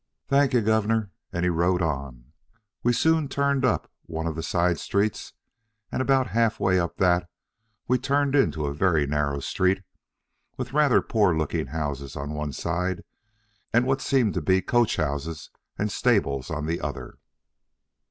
"Thank ye, Governor," and he rode on. We soon turned up one of the side streets, and about half way up that we turned into a very narrow street, with rather poor looking houses on one side, and what seemed to be coach houses and stables on the other.